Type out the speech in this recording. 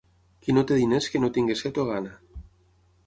Qui no té diners que no tingui set o gana.